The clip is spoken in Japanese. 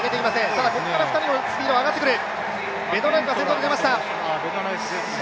ただここから２人はスピードが上がってくる。